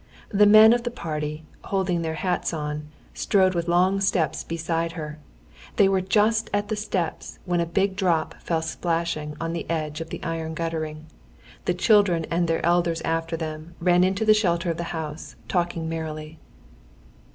The men of the party, holding their hats on, strode with long steps beside her. They were just at the steps when a big drop fell splashing on the edge of the iron guttering. The children and their elders after them ran into the shelter of the house, talking merrily.